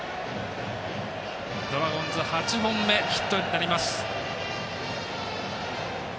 ドラゴンズ８本目のヒットになります。